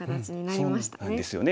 そうなんですよね。